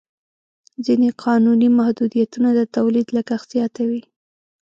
ځینې قانوني محدودیتونه د تولید لګښت زیاتوي.